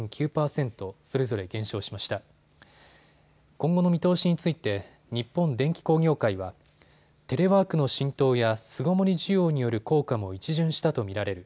今後の見通しについて日本電機工業会は、テレワークの浸透や巣ごもり需要による効果も一巡したと見られる。